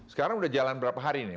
sekarang sudah berjalan beberapa hari ini